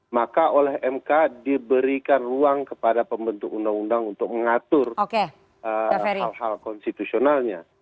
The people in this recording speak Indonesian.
maka oleh mk diberikan ruang kepada pembentuk undang undang untuk mengatur hal hal konstitusionalnya